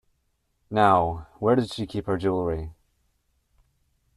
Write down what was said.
Now, where did she keep her jewellery?